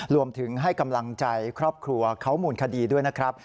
รวมถึงให้กำลังใจครอบครัวเขามูลคดีด้วยนะครับ